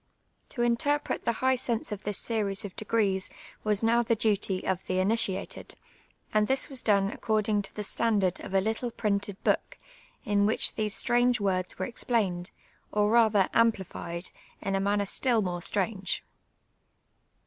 To interpret the hij^li sense of this scries of defaces was now tlic duty of tlie initiated, and this was done accordinfij to tlic standard of a little ])rinted book, in which, these Htninj^c words were explained, or rather amj)lified, in a manncn still more stranpc.